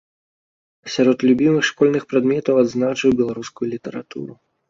А сярод любімых школьных прадметаў адзначыў беларускую літаратуру.